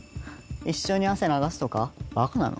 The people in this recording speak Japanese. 一緒に汗流すとかバカなの？